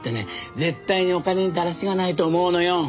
絶対にお金にだらしがないと思うのよ！